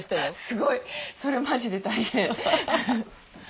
すごい！それマジで大変。